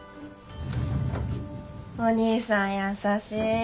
お兄さん優しい。